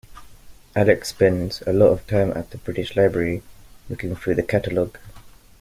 Alex spends a lot of time at the British Library, looking through the catalogue.